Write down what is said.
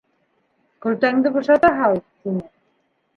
Көлтәңде бушата һал, — тине.